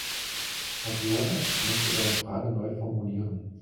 Herr Theonas möchte seine Frage neu formulieren.